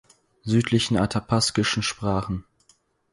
Südlichen Athapaskischen Sprachen.